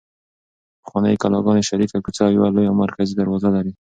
پخوانۍ کلاګانې شریکه کوڅه او یوه لویه مرکزي دروازه لري.